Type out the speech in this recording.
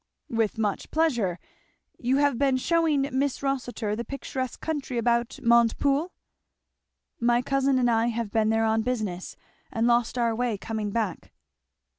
"With much pleasure! You have been shewing Miss Rossitur the picturesque country about Montepoole?" "My cousin and I have been there on business, and lost our way coming back."